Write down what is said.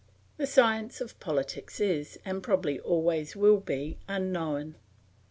The science of politics is and probably always will be unknown.